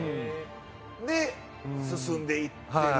で進んでいってるんだな。